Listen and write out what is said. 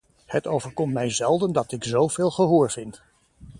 Het overkomt mij zelden dat ik zoveel gehoor vind.